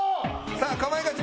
さあ『かまいガチ』